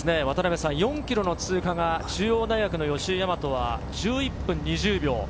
渡辺さん、４ｋｍの通過が中央の吉居大和は１１分２０秒。